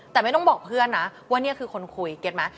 แต่ไม่ต้องบอกเพื่อนนะว่านี่คือคนคุยเก็ตไหม